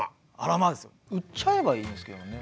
売っちゃえばいいんですけどね。